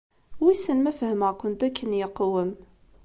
Wissen ma fehmeɣ-kent akken yeqwem.